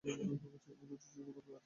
ছোট ছোট শিল্পের জন্য আর্থিক সহায়তা দেন।